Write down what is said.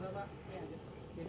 saya wahyu dari radio asin